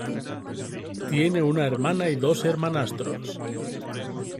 Tiene una hermana y dos hermanastros.